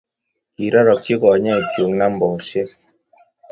Kirorokchi konyekchu nambosyek.